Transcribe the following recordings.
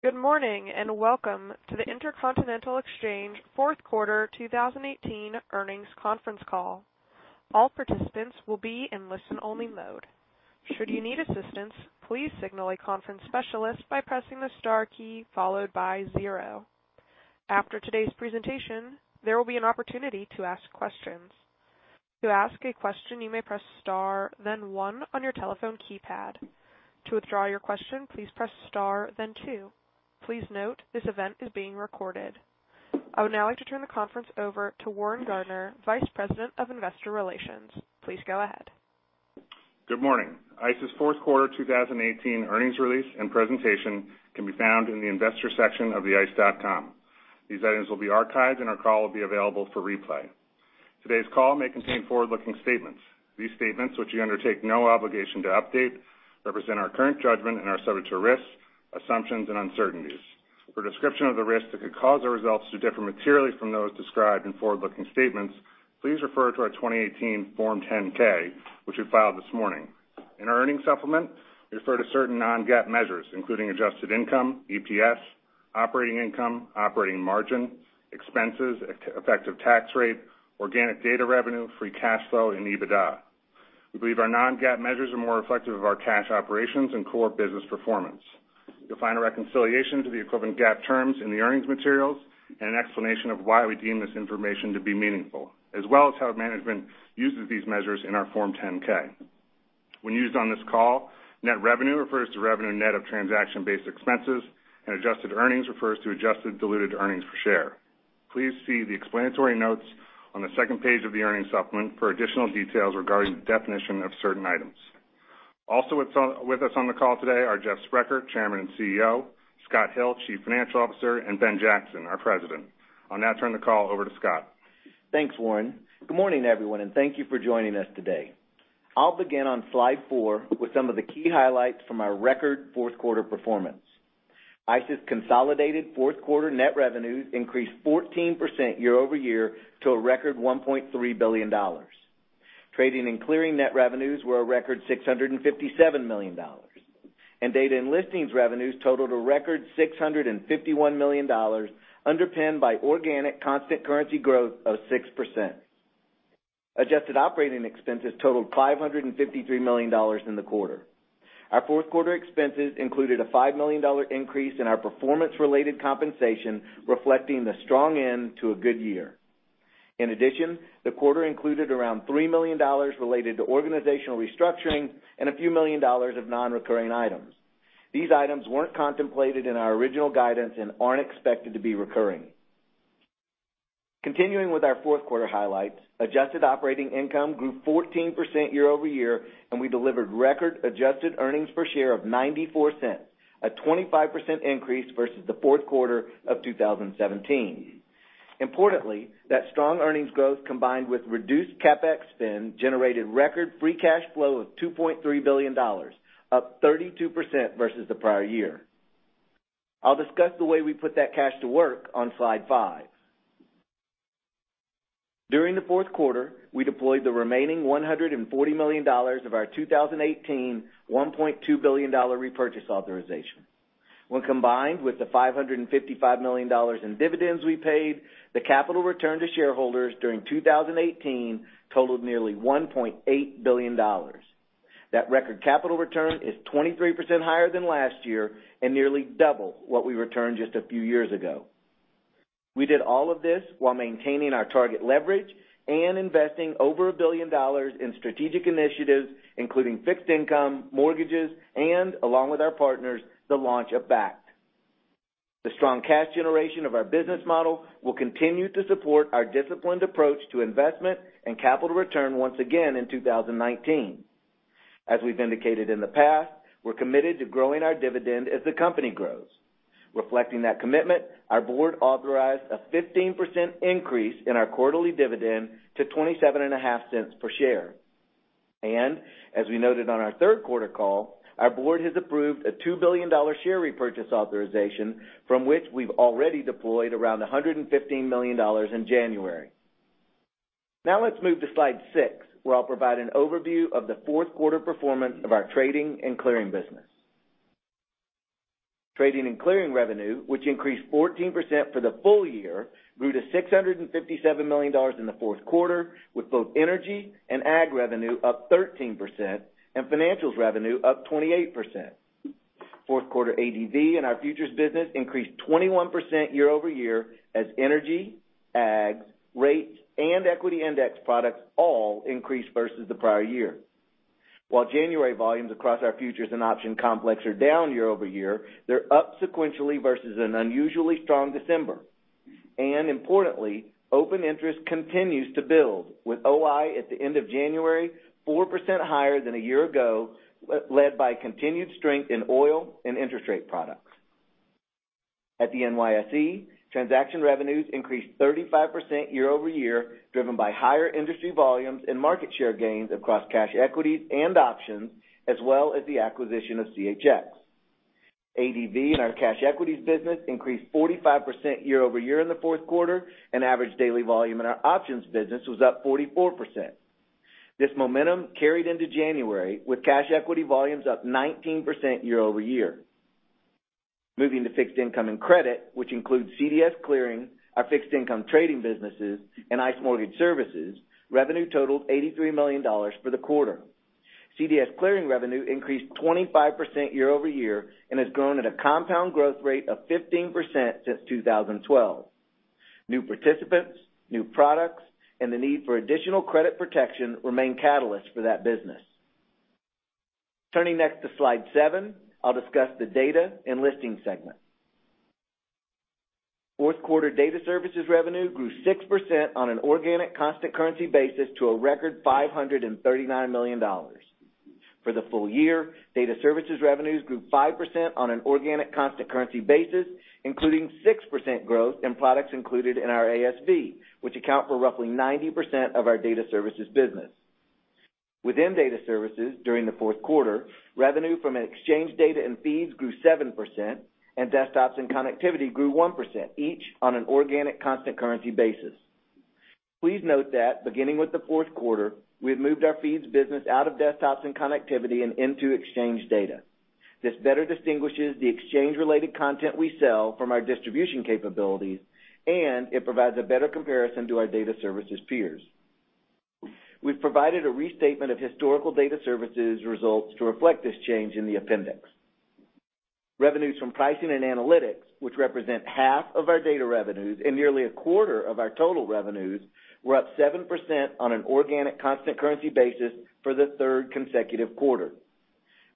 Good morning, welcome to the Intercontinental Exchange fourth quarter 2018 earnings conference call. All participants will be in listen-only mode. Should you need assistance, please signal a conference specialist by pressing the star key followed by zero. After today's presentation, there will be an opportunity to ask questions. To ask a question, you may press star then one on your telephone keypad. To withdraw your question, please press star then two. Please note, this event is being recorded. I would now like to turn the conference over to Warren Gardiner, Vice President of Investor Relations. Please go ahead. Good morning. ICE's fourth quarter 2018 earnings release and presentation can be found in the Investors section of theice.com. These items will be archived, our call will be available for replay. Today's call may contain forward-looking statements. These statements, which we undertake no obligation to update, represent our current judgment and are subject to risks, assumptions, and uncertainties. For a description of the risks that could cause our results to differ materially from those described in forward-looking statements, please refer to our 2018 Form 10-K, which we filed this morning. In our earnings supplement, we refer to certain non-GAAP measures, including adjusted income, EPS, operating income, operating margin, expenses, effective tax rate, organic data revenue, free cash flow, and EBITDA. We believe our non-GAAP measures are more reflective of our cash operations and core business performance. You'll find a reconciliation to the equivalent GAAP terms in the earnings materials, an explanation of why we deem this information to be meaningful, as well as how management uses these measures in our Form 10-K. When used on this call, net revenue refers to revenue net of transaction-based expenses, adjusted earnings refers to adjusted diluted earnings per share. Please see the explanatory notes on the second page of the earnings supplement for additional details regarding the definition of certain items. Also with us on the call today are Jeff Sprecher, Chairman and CEO, Scott Hill, Chief Financial Officer, and Ben Jackson, our President. I'll now turn the call over to Scott. Thanks, Warren. Good morning, everyone, thank you for joining us today. I'll begin on slide four with some of the key highlights from our record fourth quarter performance. ICE's consolidated fourth quarter net revenues increased 14% year-over-year to a record $1.3 billion. Trading and clearing net revenues were a record $657 million, data and listings revenues totaled a record $651 million, underpinned by organic constant currency growth of 6%. Adjusted operating expenses totaled $553 million in the quarter. Our fourth quarter expenses included a $5 million increase in our performance-related compensation, reflecting the strong end to a good year. In addition, the quarter included around $3 million related to organizational restructuring and a few million dollars of non-recurring items. These items weren't contemplated in our original guidance and aren't expected to be recurring. Continuing with our fourth quarter highlights, adjusted operating income grew 14% year-over-year, and we delivered record adjusted earnings per share of $0.94, a 25% increase versus the fourth quarter of 2017. Importantly, that strong earnings growth, combined with reduced CapEx spend, generated record free cash flow of $2.3 billion, up 32% versus the prior year. I'll discuss the way we put that cash to work on slide five. During the fourth quarter, we deployed the remaining $140 million of our 2018 $1.2 billion repurchase authorization. When combined with the $555 million in dividends we paid, the capital return to shareholders during 2018 totaled nearly $1.8 billion. That record capital return is 23% higher than last year and nearly double what we returned just a few years ago. We did all of this while maintaining our target leverage and investing over $1 billion in strategic initiatives, including fixed income, mortgages, and along with our partners, the launch of Bakkt. The strong cash generation of our business model will continue to support our disciplined approach to investment and capital return once again in 2019. As we've indicated in the past, we're committed to growing our dividend as the company grows. Reflecting that commitment, our board authorized a 15% increase in our quarterly dividend to $0.275 per share. As we noted on our third quarter call, our board has approved a $2 billion share repurchase authorization from which we've already deployed around $115 million in January. Let's move to slide six, where I'll provide an overview of the fourth quarter performance of our trading and clearing business. Trading and clearing revenue, which increased 14% for the full year, grew to $657 million in the fourth quarter, with both energy and ag revenue up 13% and financials revenue up 28%. Fourth quarter ADV in our futures business increased 21% year-over-year as energy, ags, rates, and equity index products all increased versus the prior year. While January volumes across our futures and option complex are down year-over-year, they're up sequentially versus an unusually strong December. Importantly, open interest continues to build with OI at the end of January 4% higher than a year ago, led by continued strength in oil and interest rate products. At the NYSE, transaction revenues increased 35% year-over-year, driven by higher industry volumes and market share gains across cash equities and options, as well as the acquisition of CHX. ADV in our cash equities business increased 45% year-over-year in the fourth quarter, and average daily volume in our options business was up 44%. This momentum carried into January with cash equity volumes up 19% year-over-year. Moving to fixed income and credit, which includes CDS Clearing, our fixed income trading businesses, and ICE Mortgage Technology, revenue totaled $83 million for the quarter. CDS Clearing revenue increased 25% year-over-year and has grown at a compound growth rate of 15% since 2012. New participants, new products, and the need for additional credit protection remain catalysts for that business. Turning next to slide seven, I'll discuss the data and listing segment. Fourth quarter data services revenue grew 6% on an organic constant currency basis to a record $539 million. For the full year, data services revenues grew 5% on an organic constant currency basis, including 6% growth in products included in our ASV, which account for roughly 90% of our data services business. Within data services, during the fourth quarter, revenue from an exchange data and feeds grew 7%, and desktops and connectivity grew 1%, each on an organic constant currency basis. Please note that beginning with the fourth quarter, we have moved our feeds business out of desktops and connectivity and into exchange data. This better distinguishes the exchange-related content we sell from our distribution capabilities, and it provides a better comparison to our data services peers. We have provided a restatement of historical data services results to reflect this change in the appendix. Revenues from pricing and analytics, which represent half of our data revenues and nearly a quarter of our total revenues, were up 7% on an organic constant currency basis for the third consecutive quarter.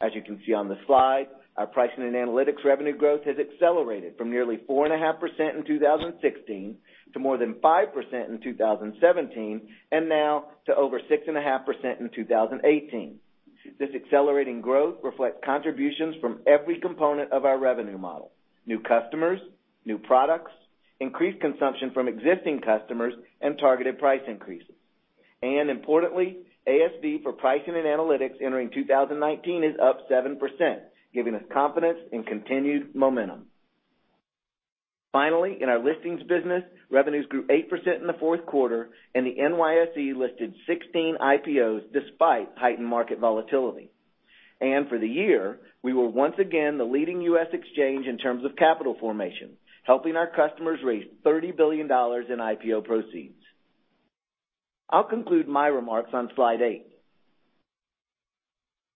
As you can see on the slide, our pricing and analytics revenue growth has accelerated from nearly 4.5% in 2016 to more than 5% in 2017, and now to over 6.5% in 2018. This accelerating growth reflects contributions from every component of our revenue model, new customers, new products, increased consumption from existing customers, and targeted price increases. Importantly, ASV for pricing and analytics entering 2019 is up 7%, giving us confidence in continued momentum. Finally, in our listings business, revenues grew 8% in the fourth quarter, and the NYSE listed 16 IPOs despite heightened market volatility. For the year, we were once again the leading U.S. exchange in terms of capital formation, helping our customers raise $30 billion in IPO proceeds. I will conclude my remarks on slide eight.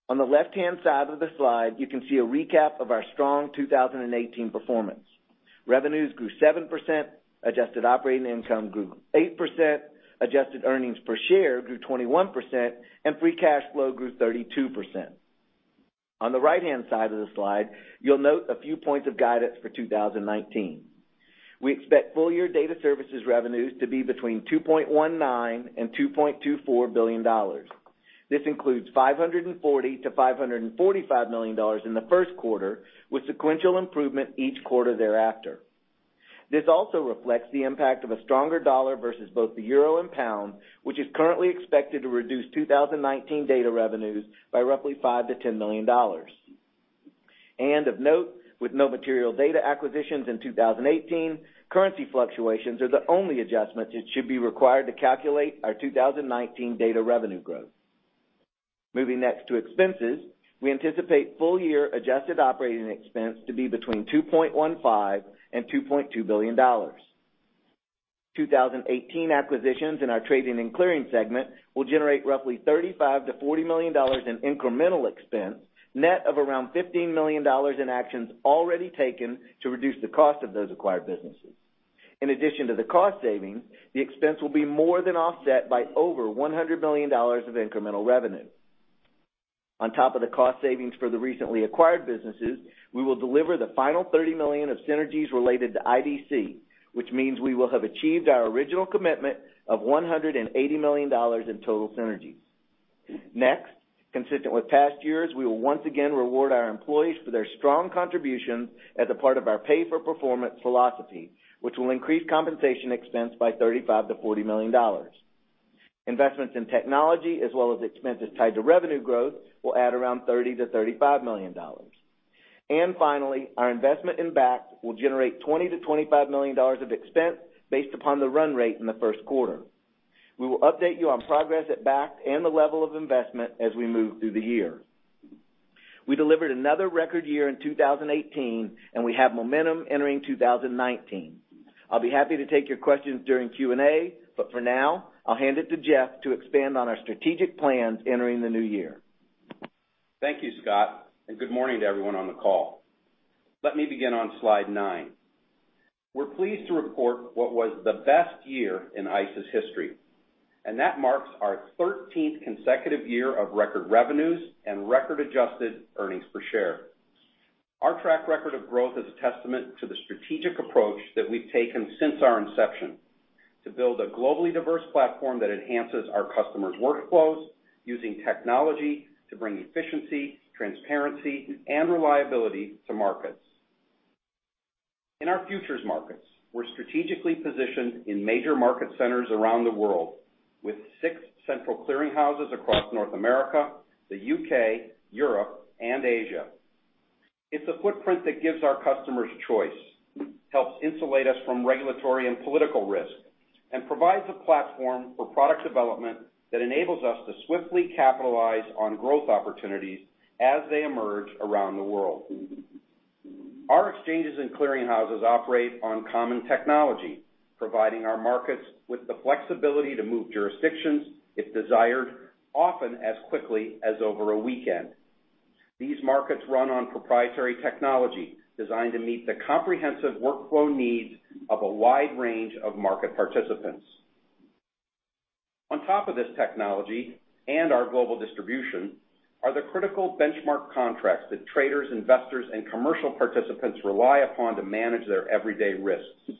On the left-hand side of the slide, you can see a recap of our strong 2018 performance. Revenues grew 7%, adjusted operating income grew 8%, adjusted earnings per share grew 21%, and free cash flow grew 32%. On the right-hand side of the slide, you will note a few points of guidance for 2019. We expect full year data services revenues to be between $2.19 billion and $2.24 billion. This includes $540 million-$545 million in the first quarter, with sequential improvement each quarter thereafter. This also reflects the impact of a stronger dollar versus both the EUR and GBP, which is currently expected to reduce 2019 data revenues by roughly $5 million-$10 million. Of note, with no material data acquisitions in 2018, currency fluctuations are the only adjustments that should be required to calculate our 2019 data revenue growth. Moving next to expenses, we anticipate full-year adjusted operating expense to be between $2.15 billion and $2.2 billion. 2018 acquisitions in our trading and clearing segment will generate roughly $35 million-$40 million in incremental expense, net of around $15 million in actions already taken to reduce the cost of those acquired businesses. In addition to the cost savings, the expense will be more than offset by over $100 million of incremental revenue. On top of the cost savings for the recently acquired businesses, we will deliver the final $30 million of synergies related to IDC, which means we will have achieved our original commitment of $180 million in total synergies. Consistent with past years, we will once again reward our employees for their strong contribution as a part of our pay-for-performance philosophy, which will increase compensation expense by $35 million-$40 million. Investments in technology as well as expenses tied to revenue growth will add around $30 million-$35 million. Finally, our investment in Bakkt will generate $20 million-$25 million of expense based upon the run rate in the first quarter. We will update you on progress at Bakkt and the level of investment as we move through the year. We delivered another record year in 2018, we have momentum entering 2019. I'll be happy to take your questions during Q&A, for now, I'll hand it to Jeff to expand on our strategic plans entering the new year. Thank you, Scott, good morning to everyone on the call. Let me begin on slide nine. We're pleased to report what was the best year in ICE's history, that marks our 13th consecutive year of record revenues and record-adjusted earnings per share. Our track record of growth is a testament to the strategic approach that we've taken since our inception to build a globally diverse platform that enhances our customers' workflows using technology to bring efficiency, transparency, and reliability to markets. In our futures markets, we're strategically positioned in major market centers around the world with six central clearing houses across North America, the U.K., Europe, and Asia. It's a footprint that gives our customers choice, helps insulate us from regulatory and political risk, provides a platform for product development that enables us to swiftly capitalize on growth opportunities as they emerge around the world. Our exchanges and clearing houses operate on common technology, providing our markets with the flexibility to move jurisdictions if desired, often as quickly as over a weekend. These markets run on proprietary technology designed to meet the comprehensive workflow needs of a wide range of market participants. On top of this technology and our global distribution, are the critical benchmark contracts that traders, investors, and commercial participants rely upon to manage their everyday risks.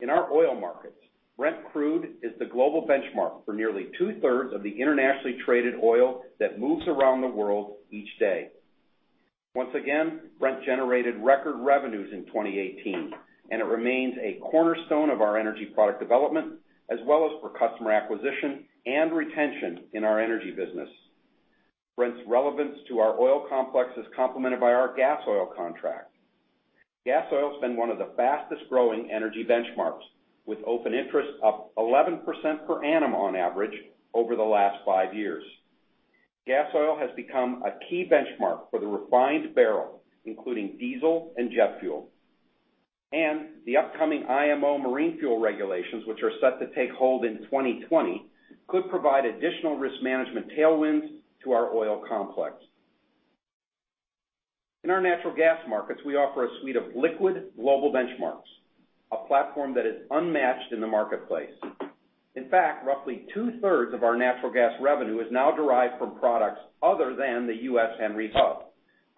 In our oil markets, Brent Crude is the global benchmark for nearly two-thirds of the internationally traded oil that moves around the world each day. Once again, Brent generated record revenues in 2018, it remains a cornerstone of our energy product development, as well as for customer acquisition and retention in our energy business. Brent's relevance to our oil complex is complemented by our gas oil contract. Gas oil's been one of the fastest growing energy benchmarks, with open interest up 11% per annum on average over the last five years. Gas oil has become a key benchmark for the refined barrel, including diesel and jet fuel. The upcoming IMO marine fuel regulations, which are set to take hold in 2020, could provide additional risk management tailwinds to our oil complex. In our natural gas markets, we offer a suite of liquid global benchmarks, a platform that is unmatched in the marketplace. In fact, roughly two-thirds of our natural gas revenue is now derived from products other than the U.S. Henry Hub,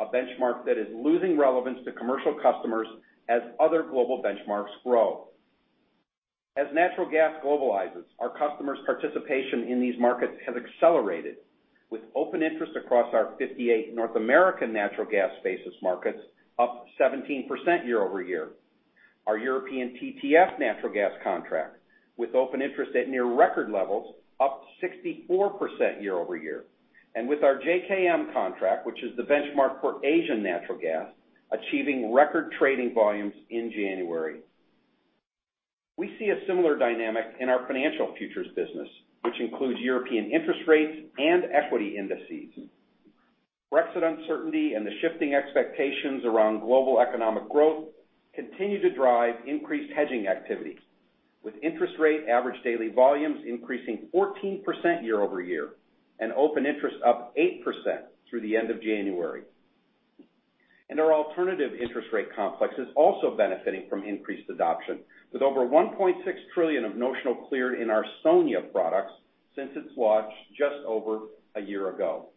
a benchmark that is losing relevance to commercial customers as other global benchmarks grow. As natural gas globalizes, our customers' participation in these markets has accelerated, with open interest across our 58 North American natural gas basis markets up 17% year-over-year. Our European TTF natural gas contract, with open interest at near record levels, up 64% year-over-year. With our JKM contract, which is the benchmark for Asian natural gas, achieving record trading volumes in January. We see a similar dynamic in our financial futures business, which includes European interest rates and equity indices. Brexit uncertainty and the shifting expectations around global economic growth continue to drive increased hedging activity, with interest rate average daily volumes increasing 14% year-over-year and open interest up 8% through the end of January. Our alternative interest rate complex is also benefiting from increased adoption, with over $1.6 trillion of notional cleared in our SONIA products since its launch just over a year ago.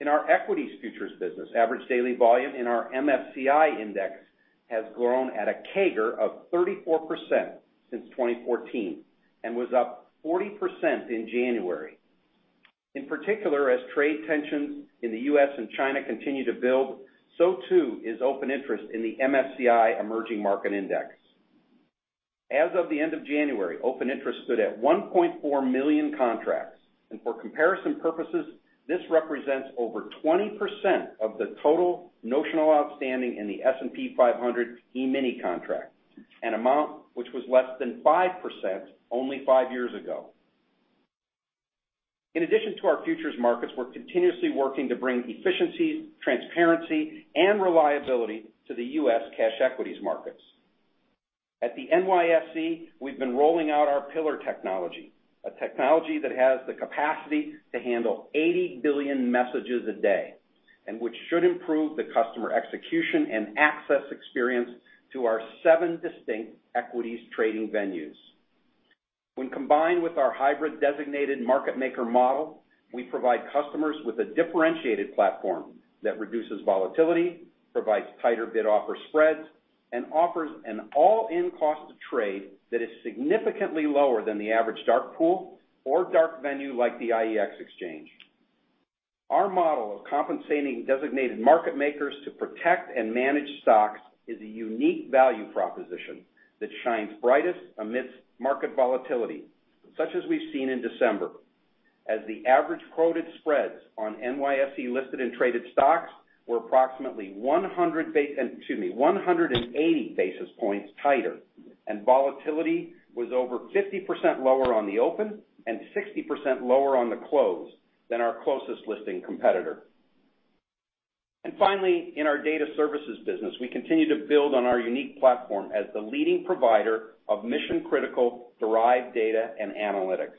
In our equities futures business, average daily volume in our MSCI index has grown at a CAGR of 34% since 2014 and was up 40% in January. In particular, as trade tensions in the U.S. and China continue to build, so too is open interest in the MSCI Emerging Markets Index. As of the end of January, open interest stood at 1.4 million contracts, and for comparison purposes, this represents over 20% of the total notional outstanding in the S&P 500 E-mini contract, an amount which was less than 5% only five years ago. In addition to our futures markets, we're continuously working to bring efficiency, transparency, and reliability to the U.S. cash equities markets. At the NYSE, we've been rolling out our Pillar technology, a technology that has the capacity to handle 80 billion messages a day, and which should improve the customer execution and access experience to our seven distinct equities trading venues. When combined with our hybrid designated market maker model, we provide customers with a differentiated platform that reduces volatility, provides tighter bid-offer spreads, and offers an all-in cost to trade that is significantly lower than the average dark pool or dark venue like the IEX Exchange. Our model of compensating designated market makers to protect and manage stocks is a unique value proposition that shines brightest amidst market volatility, such as we've seen in December. The average quoted spreads on NYSE listed and traded stocks were approximately 180 basis points tighter, and volatility was over 50% lower on the open and 60% lower on the close than our closest listing competitor. Finally, in our data services business, we continue to build on our unique platform as the leading provider of mission-critical derived data and analytics.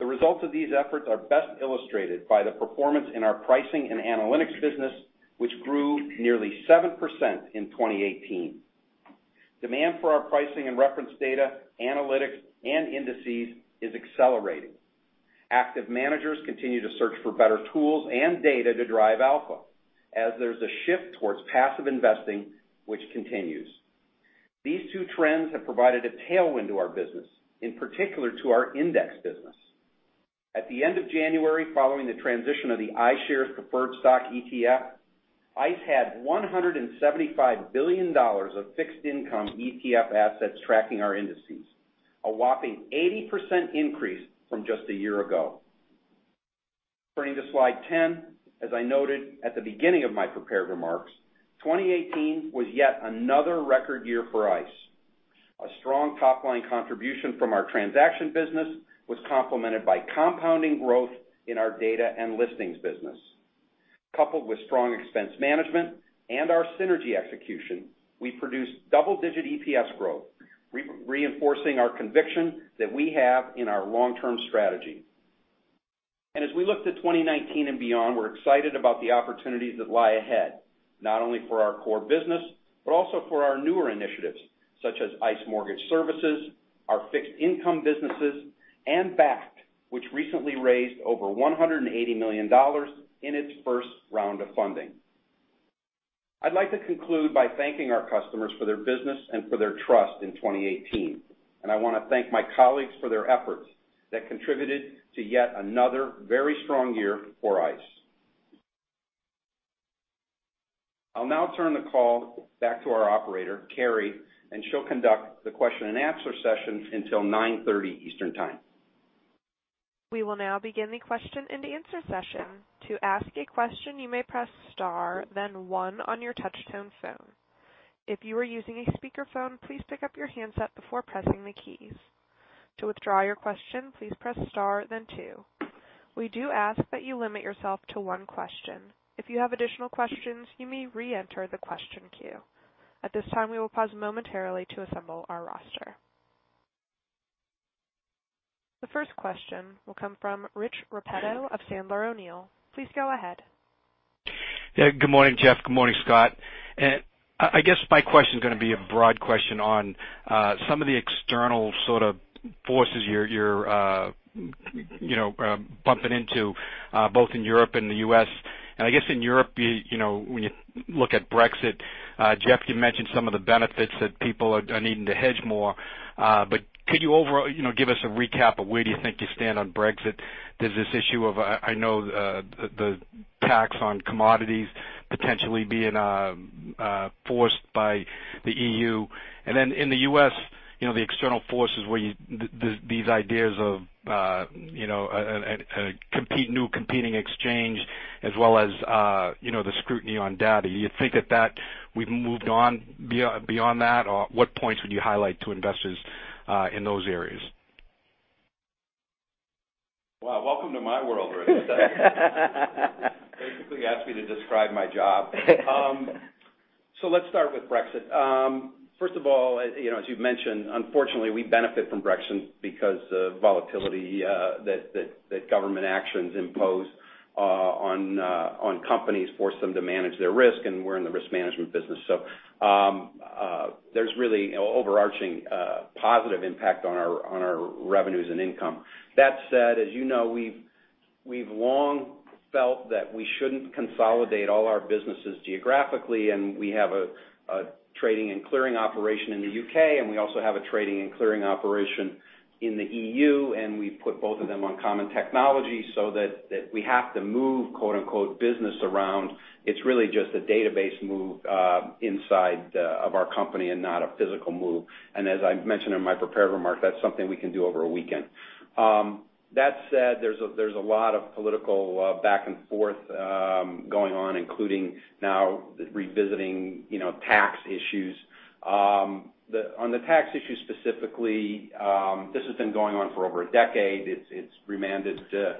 The results of these efforts are best illustrated by the performance in our pricing and analytics business, which grew nearly 7% in 2018. Demand for our pricing and reference data, analytics, and indices is accelerating. Active managers continue to search for better tools and data to drive alpha, as there's a shift towards passive investing, which continues. These two trends have provided a tailwind to our business, in particular to our index business. At the end of January, following the transition of the iShares Preferred and Income Securities ETF, ICE had $175 billion of fixed income ETF assets tracking our indices. A whopping 80% increase from just a year ago. Turning to slide 10, as I noted at the beginning of my prepared remarks, 2018 was yet another record year for ICE. A strong top-line contribution from our transaction business was complemented by compounding growth in our data and listings business. Coupled with strong expense management and our synergy execution, we produced double-digit EPS growth, reinforcing our conviction that we have in our long-term strategy. As we look to 2019 and beyond, we're excited about the opportunities that lie ahead, not only for our core business, but also for our newer initiatives, such as ICE Mortgage Technology, our fixed income businesses, and Bakkt, which recently raised over $180 million in its first round of funding. I'd like to conclude by thanking our customers for their business and for their trust in 2018. I want to thank my colleagues for their efforts that contributed to yet another very strong year for ICE. I'll now turn the call back to our operator, [Carrie], and she'll conduct the question and answer session until 9:30 A.M. Eastern Time. We will now begin the question and answer session. To ask a question, you may press star, then one on your touch-tone phone. If you are using a speakerphone, please pick up your handset before pressing the keys. To withdraw your question, please press star then two. We do ask that you limit yourself to one question. If you have additional questions, you may re-enter the question queue. At this time, we will pause momentarily to assemble our roster. The first question will come from Rich Repetto of Sandler O'Neill. Please go ahead. Good morning, Jeff. Good morning, Scott. I guess my question's going to be a broad question on some of the external sort of forces you're bumping into both in Europe and the U.S. I guess in Europe, when you look at Brexit, Jeff, you mentioned some of the benefits that people are needing to hedge more. Could you give us a recap of where do you think you stand on Brexit? There's this issue of, I know, the tax on commodities potentially being forced by the EU. Then in the U.S., the external forces where these ideas of a new competing exchange as well as the scrutiny on data. You think that we've moved on beyond that, or what points would you highlight to investors in those areas? Welcome to my world, Rich. Basically, you asked me to describe my job. Let's start with Brexit. First of all, as you've mentioned, unfortunately, we benefit from Brexit because the volatility that government actions impose on companies force them to manage their risk, and we're in the risk management business. There's really overarching positive impact on our revenues and income. That said, as you know, we've long felt that we shouldn't consolidate all our businesses geographically. We have a trading and clearing operation in the U.K., and we also have a trading and clearing operation in the EU. We put both of them on common technology so that if we have to move, quote-unquote, business around, it's really just a database move inside of our company and not a physical move. As I've mentioned in my prepared remarks, that's something we can do over a weekend. That said, there's a lot of political back and forth going on, including now revisiting tax issues. On the tax issue specifically, this has been going on for over a decade. It's remanded to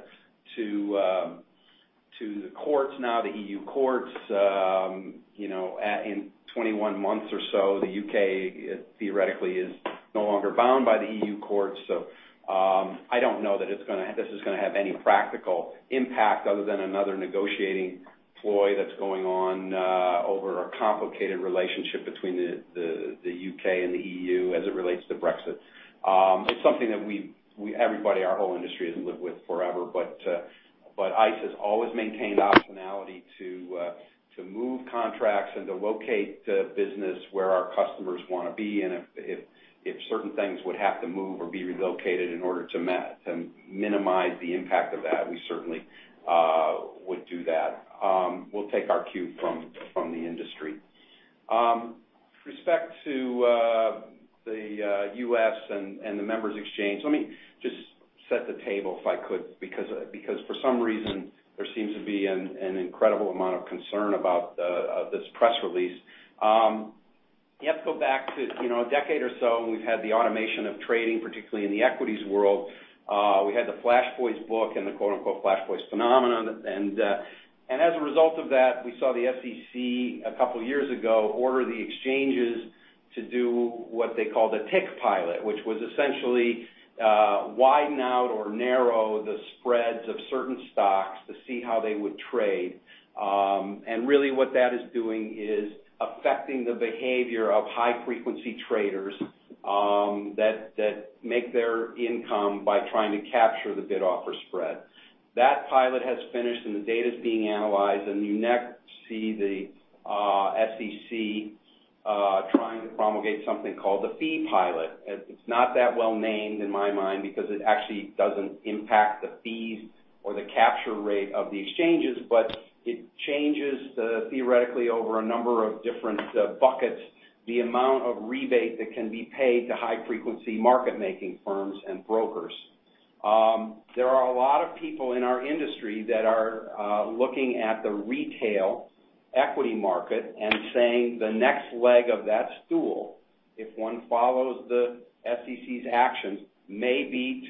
the courts now, the EU courts. In 21 months or so, the U.K. theoretically is no longer bound by the EU courts. I don't know that this is going to have any practical impact other than another negotiating ploy that's going on over a complicated relationship between the U.K. and the EU as it relates to Brexit. It's something that everybody, our whole industry, has lived with forever. ICE has always maintained optionality to move contracts and to locate the business where our customers want to be, and if certain things would have to move or be relocated in order to minimize the impact of that, we certainly would do that. We'll take our cue from the industry. With respect to the U.S. and the Members Exchange, let me just set the table if I could, because for some reason, there seems to be an incredible amount of concern about this press release. You have to go back to a decade or so, when we've had the automation of trading, particularly in the equities world. We had the Flash Boys book and the, quote-unquote, Flash Boys phenomenon. As a result of that, we saw the SEC a couple of years ago, order the exchanges to do what they called a Tick Pilot, which was essentially widen out or narrow the spreads of certain stocks to see how they would trade. Really what that is doing is affecting the behavior of high-frequency traders that make their income by trying to capture the bid-offer spread. That pilot has finished, and the data's being analyzed, you next see the SEC trying to promulgate something called the Fee Pilot. It's not that well named in my mind because it actually doesn't impact the fees or the capture rate of the exchanges, but it changes, theoretically, over a number of different buckets, the amount of rebate that can be paid to high-frequency market-making firms and brokers. There are a lot of people in our industry that are looking at the retail equity market and saying the next leg of that stool, if one follows the SEC's actions, may be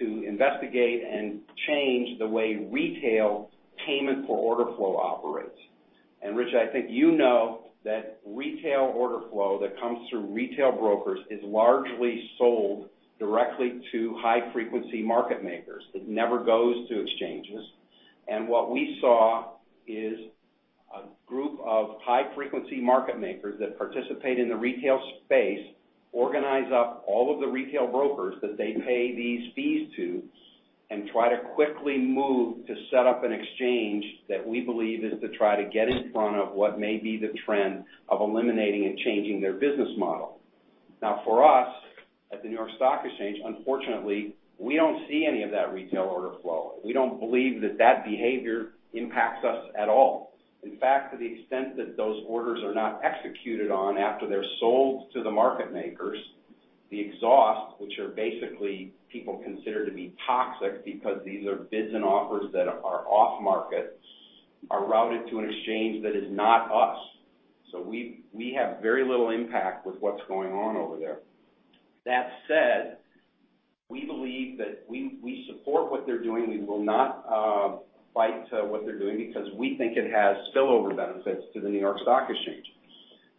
to investigate and change the way retail payment for order flow operates. Rich, I think you know that retail order flow that comes through retail brokers is largely sold directly to high-frequency market makers. It never goes to exchanges. What we saw is a group of high-frequency market makers that participate in the retail space organize up all of the retail brokers that they pay these fees to and try to quickly move to set up an exchange that we believe is to try to get in front of what may be the trend of eliminating and changing their business model. Now, for us, at the New York Stock Exchange, unfortunately, we don't see any of that retail order flow. We don't believe that that behavior impacts us at all. In fact, to the extent that those orders are not executed on after they're sold to the market makers, the exhaust, which are basically people considered to be toxic because these are bids and offers that are off market, are routed to an exchange that is not us. We have very little impact with what's going on over there. That said, we believe that we support what they're doing. We will not fight what they're doing because we think it has spillover benefits to the New York Stock Exchange.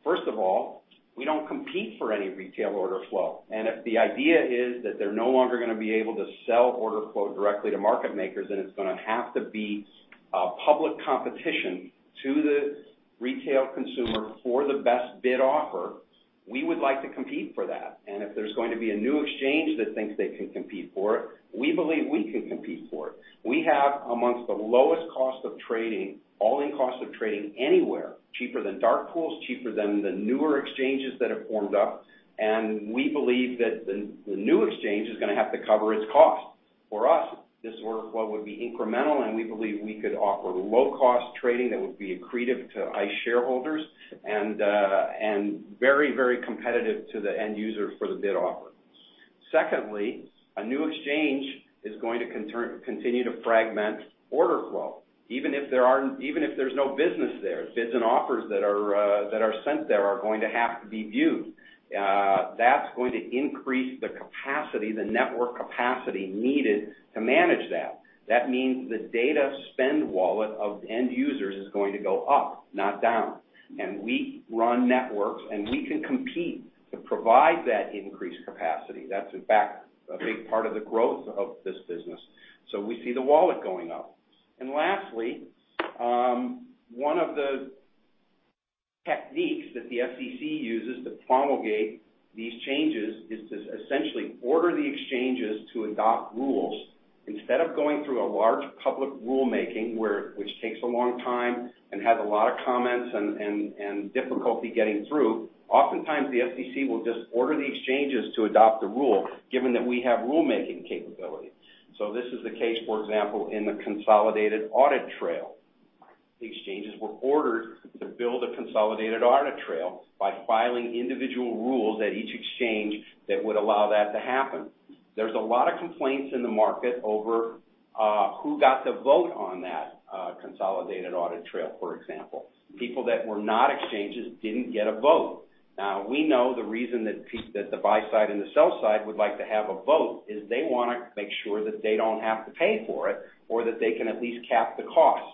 First of all, we don't compete for any retail order flow, and if the idea is that they're no longer going to be able to sell order flow directly to market makers and it's going to have to be a public competition to the retail consumer for the best bid offer, we would like to compete for that. If there's going to be a new exchange that thinks they can compete for it, we believe we can compete for it. We have amongst the lowest cost of trading, all-in cost of trading anywhere, cheaper than dark pools, cheaper than the newer exchanges that have formed up. We believe that the new exchange is going to have to cover its cost. For us, this order flow would be incremental, and we believe we could offer low-cost trading that would be accretive to ICE shareholders and very competitive to the end user for the bid offer. Secondly, a new exchange is going to continue to fragment order flow. Even if there's no business there, bids and offers that are sent there are going to have to be viewed. That's going to increase the network capacity needed to manage that. That means the data spend wallet of end users is going to go up, not down. We run networks, and we can compete to provide that increased capacity. That's in fact a big part of the growth of this business. We see the wallet going up. Lastly, one of the techniques that the SEC uses to promulgate these changes is to essentially order the exchanges to adopt rules. Instead of going through a large public rulemaking, which takes a long time and has a lot of comments and difficulty getting through, oftentimes the SEC will just order the exchanges to adopt the rule, given that we have rulemaking capabilities. This is the case, for example, in the Consolidated Audit Trail. The exchanges were ordered to build a Consolidated Audit Trail by filing individual rules at each exchange that would allow that to happen. There's a lot of complaints in the market over who got to vote on that Consolidated Audit Trail, for example. People that were not exchanges didn't get a vote. Now, we know the reason that the buy side and the sell side would like to have a vote is they want to make sure that they don't have to pay for it, or that they can at least cap the cost.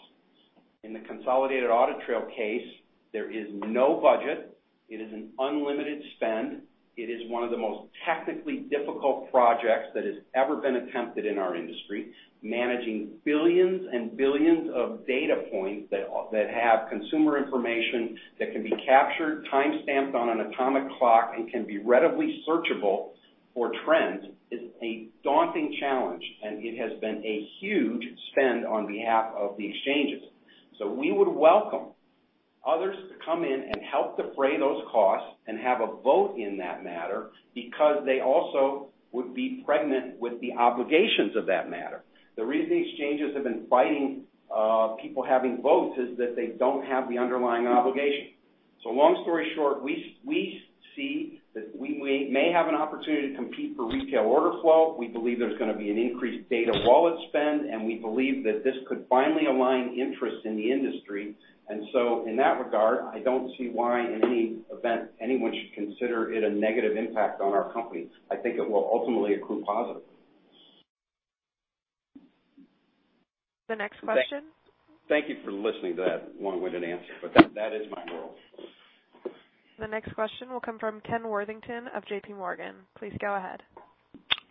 In the Consolidated Audit Trail case, there is no budget. It is an unlimited spend. It is one of the most technically difficult projects that has ever been attempted in our industry. Managing billions and billions of data points that have consumer information that can be captured, timestamped on an atomic clock, and can be readily searchable for trends is a daunting challenge, and it has been a huge spend on behalf of the exchanges. We would welcome others to come in and help defray those costs and have a vote in that matter, because they also would be pregnant with the obligations of that matter. The reason the exchanges have been fighting people having votes is that they don't have the underlying obligation. Long story short, we see that we may have an opportunity to compete for retail order flow. We believe there's going to be an increased data wallet spend, and we believe that this could finally align interest in the industry. In that regard, I don't see why in any event anyone should consider it a negative impact on our company. I think it will ultimately accrue positive. The next question. Thank you for listening to that long-winded answer, but that is my world. The next question will come from Ken Worthington of JPMorgan. Please go ahead.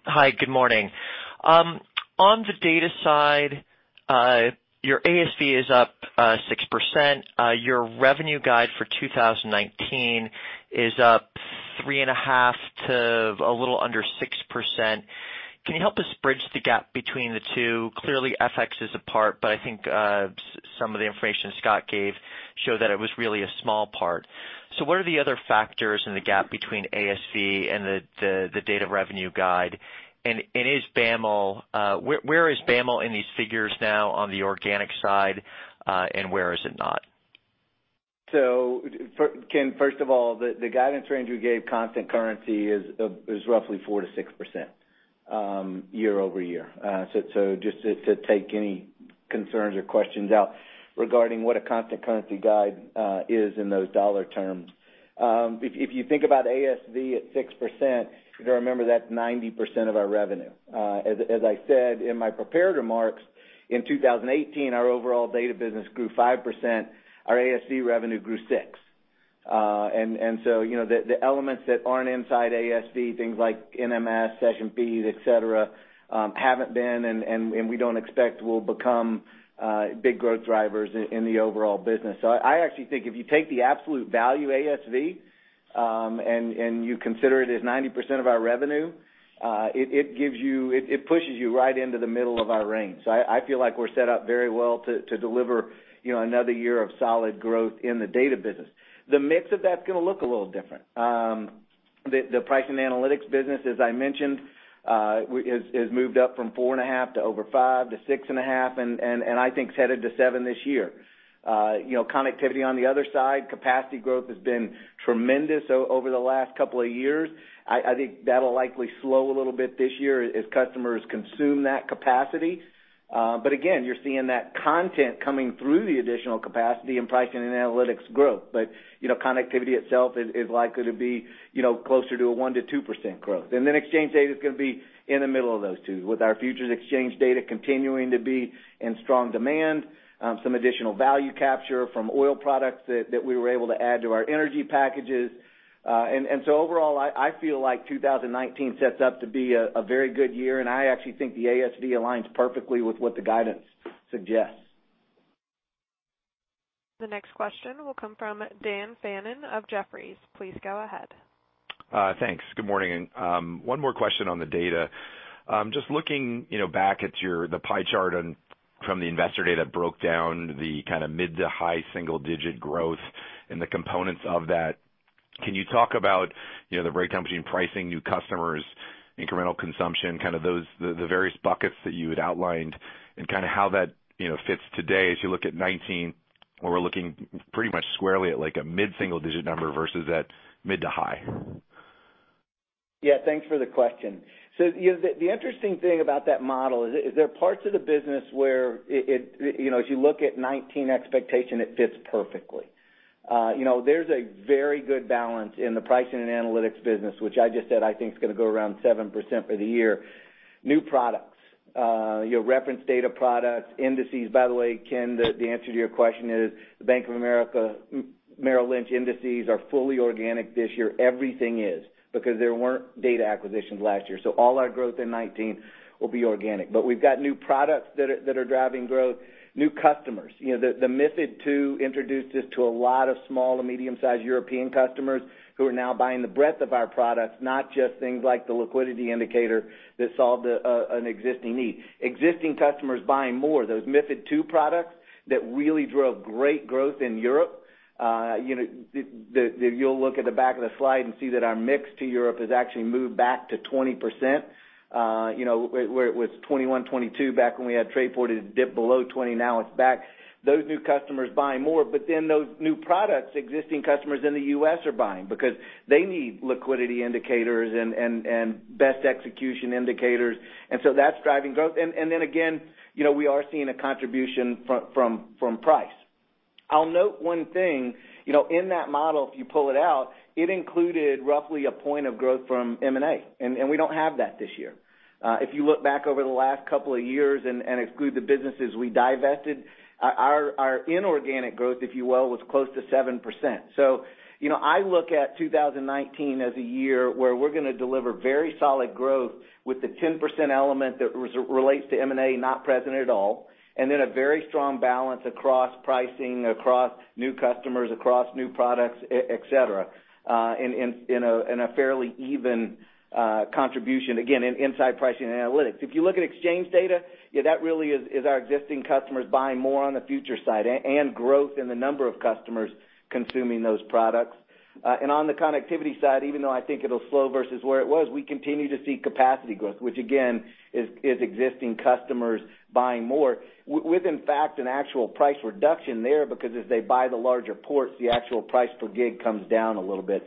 Hi, good morning. On the data side, your ASV is up 6%. Your revenue guide for 2019 is up 3.5% to a little under 6%. Can you help us bridge the gap between the two? Clearly, FX is a part, but I think some of the information Scott gave showed that it was really a small part. What are the other factors in the gap between ASV and the data revenue guide? Where is BAML in these figures now on the organic side, and where is it not? Ken, first of all, the guidance range we gave constant currency is roughly 4%-6% year-over-year. Just to take any concerns or questions out regarding what a constant currency guide is in those dollar terms. If you think about ASV at 6%, you've got to remember that's 90% of our revenue. As I said in my prepared remarks, in 2018, our overall data business grew 5%, our ASV revenue grew 6%. The elements that aren't inside ASV, things like NMS, Session B, et cetera, haven't been, and we don't expect will become big growth drivers in the overall business. I actually think if you take the absolute value ASV, and you consider it as 90% of our revenue, it pushes you right into the middle of our range. I feel like we're set up very well to deliver another year of solid growth in the data business. The mix of that's going to look a little different. The price and analytics business, as I mentioned, has moved up from 4.5 to over five to 6.5, and I think it's headed to seven this year. Connectivity on the other side, capacity growth has been tremendous over the last couple of years. I think that'll likely slow a little bit this year as customers consume that capacity. Again, you're seeing that content coming through the additional capacity and pricing and analytics growth. Connectivity itself is likely to be closer to a 1%-2% growth. Exchange data is going to be in the middle of those two, with our futures exchange data continuing to be in strong demand, some additional value capture from oil products that we were able to add to our energy packages. Overall, I feel like 2019 sets up to be a very good year, and I actually think the ASV aligns perfectly with what the guidance suggests. The next question will come from Dan Fannon of Jefferies. Please go ahead. Thanks. Good morning. One more question on the data. Just looking back at the pie chart from the investor data broke down the kind of mid to high single-digit growth and the components of that. Can you talk about the break between pricing new customers, incremental consumption, kind of the various buckets that you had outlined and kind of how that fits today as you look at 2019, where we're looking pretty much squarely at like a mid-single digit number versus that mid to high? Yeah, thanks for the question. The interesting thing about that model is there are parts of the business where if you look at 2019 expectation, it fits perfectly. There's a very good balance in the pricing and analytics business, which I just said I think is going to go around 7% for the year. New products, your reference data products, indices. By the way, Ken, the answer to your question is, the Bank of America Merrill Lynch indices are fully organic this year. Everything is, because there weren't data acquisitions last year. All our growth in 2019 will be organic. We've got new products that are driving growth, new customers. The MiFID II introduced us to a lot of small and medium-sized European customers who are now buying the breadth of our products, not just things like the liquidity indicator that solved an existing need. Existing customers buying more, those MiFID II products that really drove great growth in Europe. You'll look at the back of the slide and see that our mix to Europe has actually moved back to 20%, where it was 21%, 22% back when we had Trayport, it dipped below 20%, now it's back. Those new customers buying more, those new products, existing customers in the U.S. are buying because they need liquidity indicators and best execution indicators, that's driving growth. Again, we are seeing a contribution from price. I'll note one thing. In that model, if you pull it out, it included roughly 1 point of growth from M&A, and we don't have that this year. If you look back over the last two years and exclude the businesses we divested, our inorganic growth, if you will, was close to 7%. I look at 2019 as a year where we're going to deliver very solid growth with the 10% element that relates to M&A not present at all, and then a very strong balance across pricing, across new customers, across new products, et cetera, in a fairly even contribution, again, inside pricing and analytics. If you look at exchange data, that really is our existing customers buying more on the futures side and growth in the number of customers consuming those products. On the connectivity side, even though I think it'll slow versus where it was, we continue to see capacity growth, which again, is existing customers buying more with, in fact, an actual price reduction there because as they buy the larger ports, the actual price per gig comes down a little bit.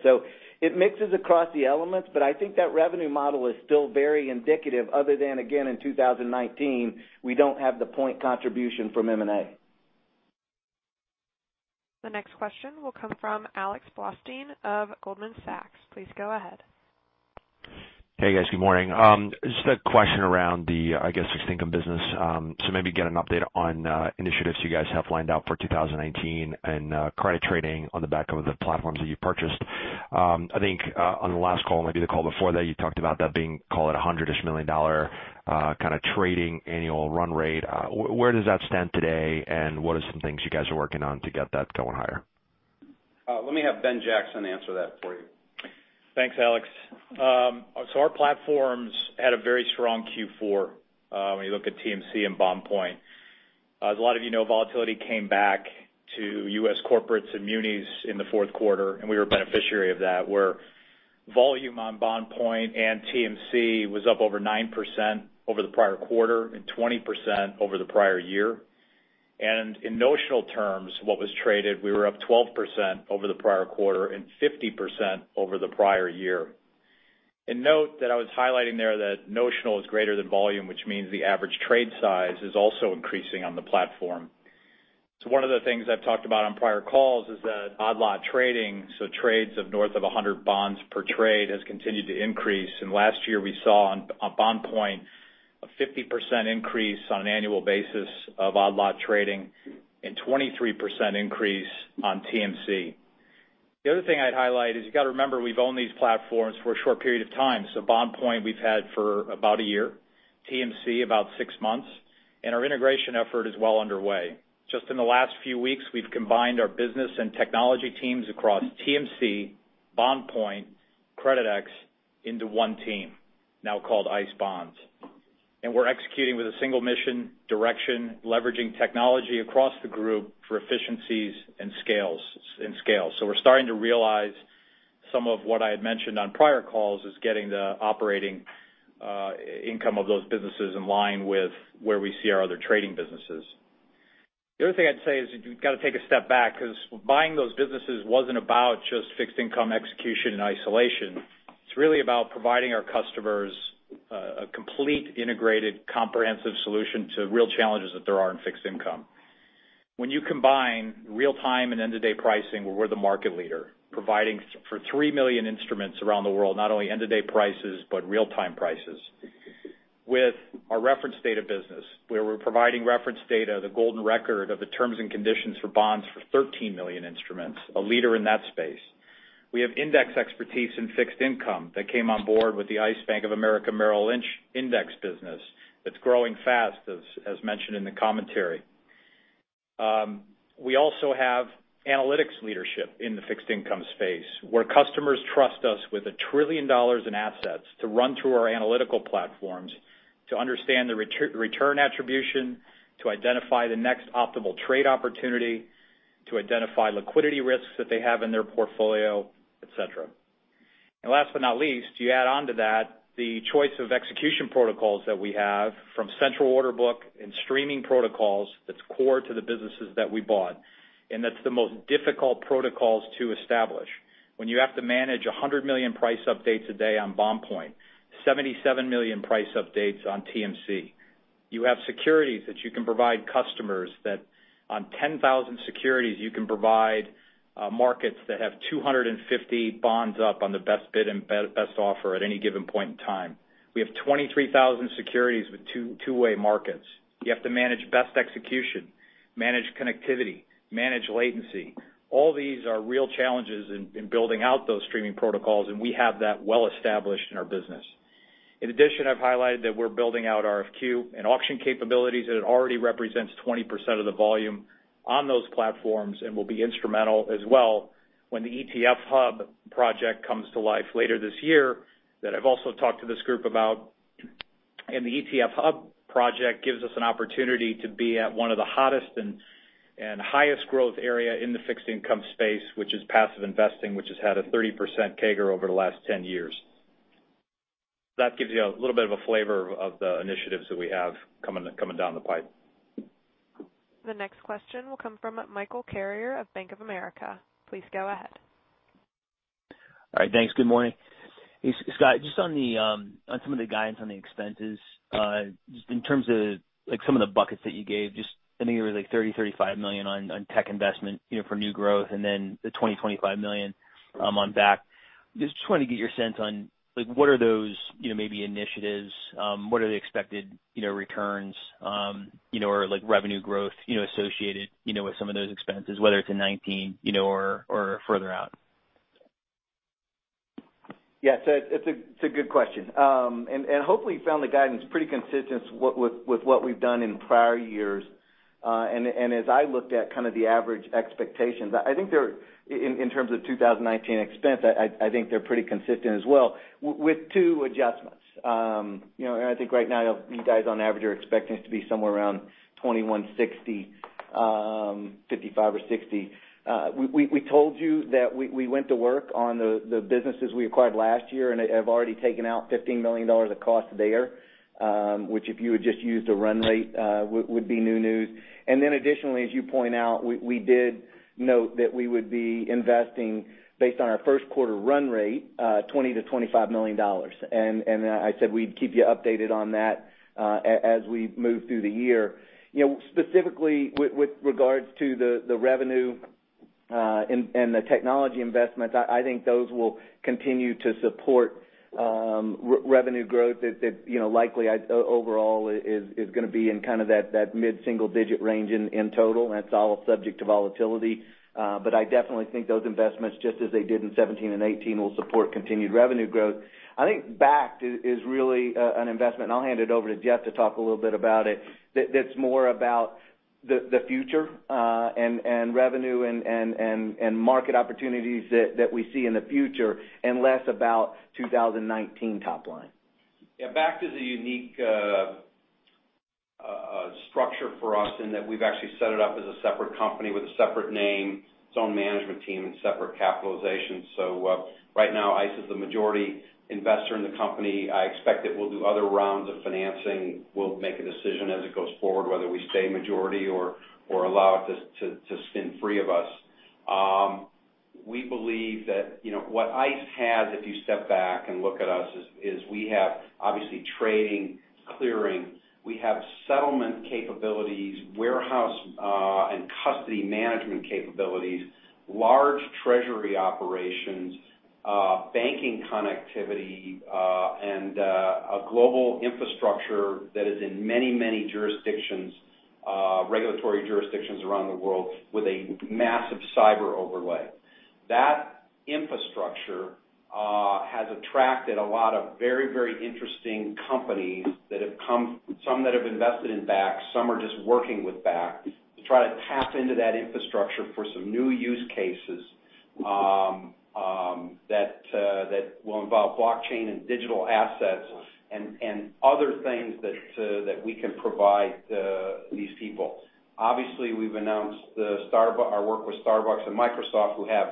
It mixes across the elements, but I think that revenue model is still very indicative, other than, again, in 2019, we don't have the 1 point contribution from M&A. The next question will come from Alex Blostein of Goldman Sachs. Please go ahead. Hey, guys. Good morning. Just a question around the, I guess, fixed income business. Maybe get an update on initiatives you guys have lined up for 2019 and credit trading on the back of the platforms that you purchased. I think on the last call, maybe the call before that, you talked about that being, call it, a $100 million-ish kind of trading annual run rate. Where does that stand today, and what are some things you guys are working on to get that going higher? Let me have Ben Jackson answer that for you. Thanks, Alex. Our platforms had a very strong Q4, when you look at TMC and BondPoint. As a lot of you know, volatility came back to U.S. corporates and munis in the fourth quarter, and we were a beneficiary of that where volume on BondPoint and TMC was up over 9% over the prior quarter and 20% over the prior year. In notional terms, what was traded, we were up 12% over the prior quarter and 50% over the prior year. Note that I was highlighting there that notional is greater than volume, which means the average trade size is also increasing on the platform. One of the things I've talked about on prior calls is that odd lot trading, so trades of north of 100 bonds per trade, has continued to increase. Last year, we saw on BondPoint a 50% increase on an annual basis of odd lot trading and 23% increase on TMC. The other thing I'd highlight is you got to remember, we've owned these platforms for a short period of time. BondPoint we've had for about a year, TMC about six months, and our integration effort is well underway. Just in the last few weeks, we've combined our business and technology teams across TMC, BondPoint, Creditex into one team now called ICE Bonds. We're executing with a single mission, direction, leveraging technology across the group for efficiencies and scale. We're starting to realize some of what I had mentioned on prior calls is getting the operating income of those businesses in line with where we see our other trading businesses. The other thing I'd say is you've got to take a step back because buying those businesses wasn't about just fixed income execution and isolation. It's really about providing our customers a complete, integrated, comprehensive solution to real challenges that there are in fixed income. When you combine real-time and end-of-day pricing, where we're the market leader, providing for 3 million instruments around the world, not only end-of-day prices, but real-time prices. With our reference data business, where we're providing reference data, the golden record of the terms and conditions for bonds for 13 million instruments, a leader in that space. We have index expertise in fixed income that came on board with the ICE Bank of America Merrill Lynch index business that's growing fast, as mentioned in the commentary. We also have analytics leadership in the fixed income space, where customers trust us with $1 trillion in assets to run through our analytical platforms to understand the return attribution, to identify the next optimal trade opportunity, to identify liquidity risks that they have in their portfolio, et cetera. Last but not least, you add onto that the choice of execution protocols that we have from central order book and streaming protocols that's core to the businesses that we bought, and that's the most difficult protocols to establish. When you have to manage 100 million price updates a day on BondPoint, 77 million price updates on TMC. You have securities that you can provide customers that on 10,000 securities, you can provide markets that have 250 bonds up on the best bid and best offer at any given point in time. We have 23,000 securities with two-way markets. You have to manage best execution, manage connectivity, manage latency. All these are real challenges in building out those streaming protocols, and we have that well established in our business. In addition, I've highlighted that we're building out RFQ and auction capabilities, and it already represents 20% of the volume on those platforms and will be instrumental as well when the ETF Hub project comes to life later this year that I've also talked to this group about. The ETF Hub project gives us an opportunity to be at one of the hottest and highest growth area in the fixed income space, which is passive investing, which has had a 30% CAGR over the last 10 years. That gives you a little bit of a flavor of the initiatives that we have coming down the pipe. The next question will come from Michael Carrier of Bank of America. Please go ahead. All right. Thanks. Good morning. Hey, Scott, just on some of the guidance on the expenses, just in terms of some of the buckets that you gave, just I think it was like $30 million-$35 million on tech investment for new growth, and then the $20 million-$25 million on Bakkt. Just trying to get your sense on what are those maybe initiatives, what are the expected returns or revenue growth associated with some of those expenses, whether it's in 2019 or further out. Yeah. It's a good question. Hopefully, you found the guidance pretty consistent with what we've done in prior years. As I looked at kind of the average expectations, I think in terms of 2019 expense, I think they're pretty consistent as well, with two adjustments. I think right now, you guys on average are expecting it to be somewhere around $2,160, $55, or $60. We told you that we went to work on the businesses we acquired last year, and have already taken out $15 million of cost there, which if you had just used a run rate, would be new news. Additionally, as you point out, we did note that we would be investing based on our first quarter run rate, $20 million-$25 million. I said we'd keep you updated on that as we move through the year. Specifically with regards to the revenue and the technology investments, I think those will continue to support revenue growth that likely overall is going to be in kind of that mid-single-digit range in total, and that's all subject to volatility. I definitely think those investments, just as they did in 2017 and 2018, will support continued revenue growth. I think Bakkt is really an investment, and I'll hand it over to Jeff to talk a little bit about it, that's more about the future and revenue and market opportunities that we see in the future, and less about 2019 top line. Yeah. Bakkt, the unique structure for us in that we've actually set it up as a separate company with a separate name, its own management team, and separate capitalization. Right now, ICE is the majority investor in the company. I expect that we'll do other rounds of financing. We'll make a decision as it goes forward, whether we stay majority or allow it to spin free of us. We believe that what ICE has, if you step back and look at us, is we have obviously trading, clearing. We have settlement capabilities, warehouse and custody management capabilities, large treasury operations, banking connectivity, and a global infrastructure that is in many, many jurisdictions, regulatory jurisdictions around the world with a massive cyber overlay. That infrastructure has attracted a lot of very, very interesting companies, some that have invested in Bakkt, some are just working with Bakkt to try to tap into that infrastructure for some new use cases that will involve blockchain and digital assets and other things that we can provide these people. Obviously, we've announced our work with Starbucks and Microsoft, who have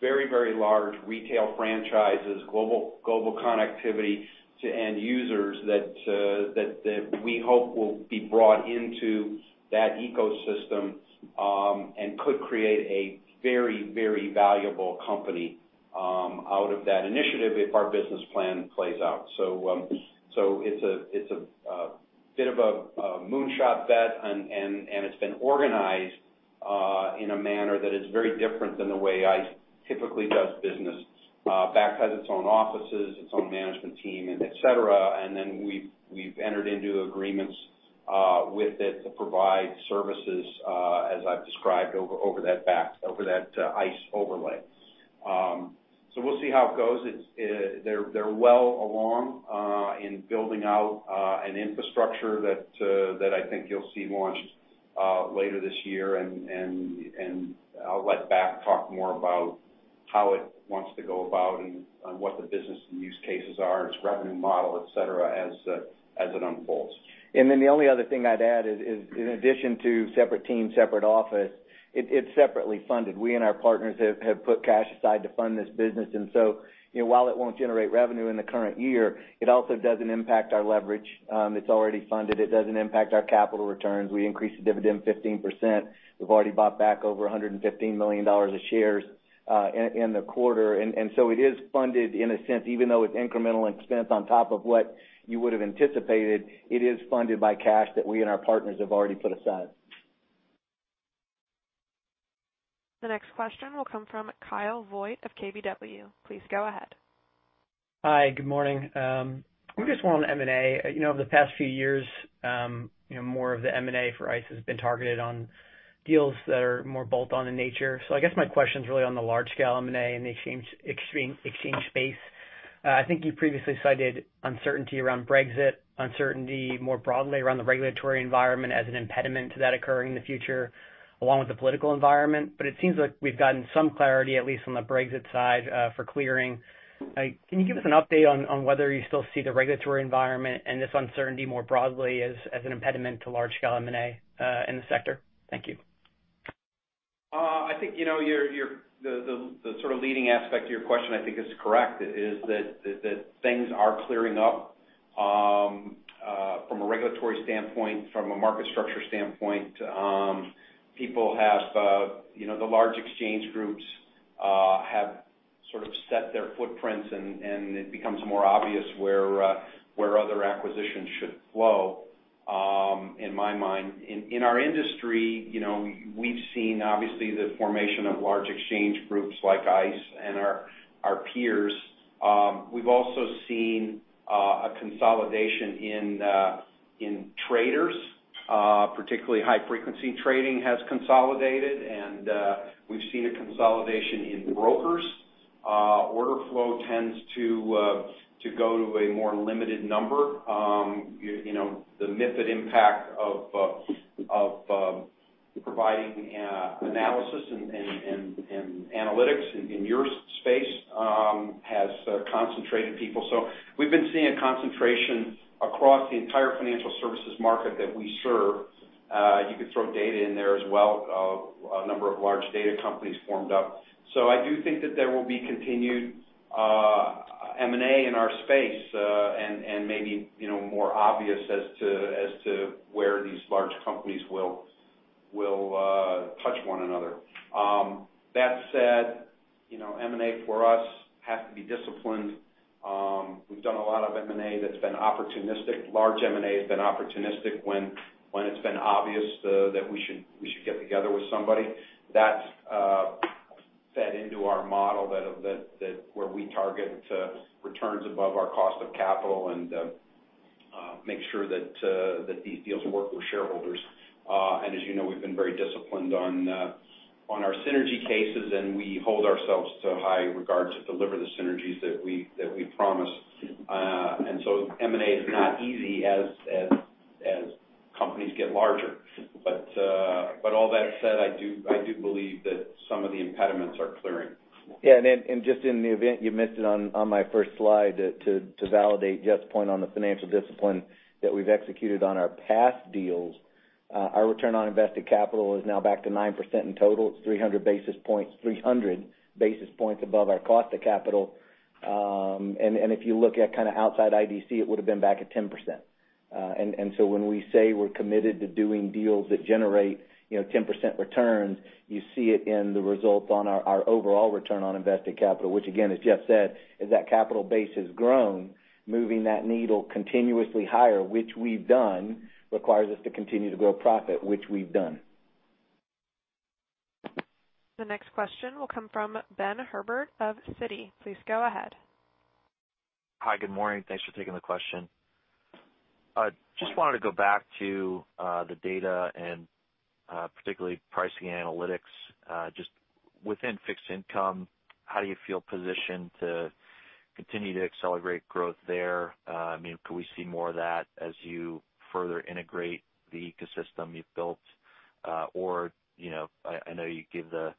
very, very large retail franchises, global connectivity to end users that we hope will be brought into that ecosystem, and could create a very, very valuable company out of that initiative if our business plan plays out. It's a bit of a moonshot bet, and it's been organized in a manner that is very different than the way ICE typically does business. Bakkt has its own offices, its own management team, and et cetera. We've entered into agreements with it to provide services, as I've described over that ICE overlay. We'll see how it goes. They're well along in building out an infrastructure that I think you'll see launched later this year, and I'll let Bakkt talk more about how it wants to go about and what the business and use cases are, its revenue model, et cetera, as it unfolds. The only other thing I'd add is, in addition to separate team, separate office, it's separately funded. We and our partners have put cash aside to fund this business. While it won't generate revenue in the current year, it also doesn't impact our leverage. It's already funded. It doesn't impact our capital returns. We increased the dividend 15%. We've already bought back over $115 million of shares in the quarter. It is funded in a sense, even though it's incremental expense on top of what you would have anticipated. It is funded by cash that we and our partners have already put aside. The next question will come from Kyle Voigt of KBW. Please go ahead. Hi. Good morning. I just want on M&A. Over the past few years, more of the M&A for ICE has been targeted on deals that are more bolt-on in nature. I guess my question's really on the large-scale M&A and the exchange space. I think you previously cited uncertainty around Brexit, uncertainty more broadly around the regulatory environment as an impediment to that occurring in the future, along with the political environment. It seems like we've gotten some clarity, at least on the Brexit side, for clearing. Can you give us an update on whether you still see the regulatory environment and this uncertainty more broadly as an impediment to large-scale M&A in the sector? Thank you. The sort of leading aspect to your question, I think is correct, is that things are clearing up from a regulatory standpoint, from a market structure standpoint. The large exchange groups have sort of set their footprints, and it becomes more obvious where other acquisitions should flow, in my mind. In our industry, we've seen, obviously, the formation of large exchange groups like ICE and our peers. We've also seen a consolidation in traders. Particularly high-frequency trading has consolidated, and we've seen a consolidation in brokers. Order flow tends to go to a more limited number. The MiFID impact of providing analysis and analytics in your space has concentrated people. We've been seeing a concentration across the entire financial services market that we serve. You could throw data in there as well. A number of large data companies formed up. I do think that there will be continued M&A in our space, and maybe more obvious as to where these large companies will touch one another. That said, M&A for us has to be disciplined. We've done a lot of M&A that's been opportunistic. Large M&A has been opportunistic when it's been obvious that we should get together with somebody. That's fed into our model where we target returns above our cost of capital and make sure that these deals work with shareholders. As you know, we've been very disciplined on our synergy cases, and we hold ourselves to high regard to deliver the synergies that we promise. M&A is not easy as companies get larger. All that said, I do believe that some of the impediments are clearing. Yeah. And just in the event you missed it on my first slide, to validate Jeff's point on the financial discipline that we've executed on our past deals. Our return on invested capital is now back to 9% in total. It's 300 basis points above our cost of capital. And if you look at kind of outside IDC, it would have been back at 10%. So when we say we're committed to doing deals that generate 10% returns, you see it in the results on our overall return on invested capital, which again, as Jeff said, as that capital base has grown, moving that needle continuously higher, which we've done, requires us to continue to grow profit, which we've done. The next question will come from Ben Herbert of Citi. Please go ahead. Hi, good morning. Thanks for taking the question. Just wanted to go back to the data and particularly pricing analytics. Just within fixed income, how do you feel positioned to continue to accelerate growth there? Could we see more of that as you further integrate the ecosystem you've built? Or I know you give the